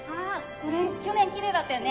これ去年キレイだったよね。